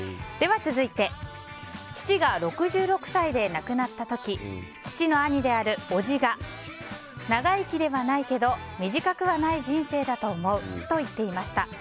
続いて父が６６歳で亡くなった時父の兄であるおじが長生きではないけど短くはない人生だと思うと言っていました。